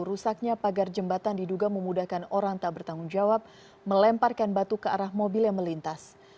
rusaknya pagar jembatan diduga memudahkan orang tak bertanggung jawab melemparkan batu ke arah mobil yang melintas